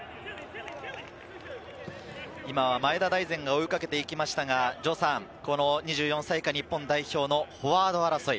今は前田大然が追いかけていきましたが、２４歳以下日本代表のフォワード争い。